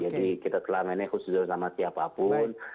jadi kita telah menekut bersama siapapun